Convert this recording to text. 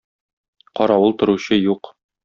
Каравыл торучы юк.